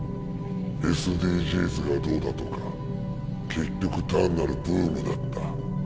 ＳＤＧｓがどうだとか結局単なるブームだった。